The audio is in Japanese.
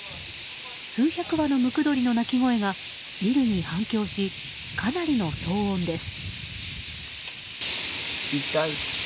数百羽のムクドリの鳴き声がビルに反響しかなりの騒音です。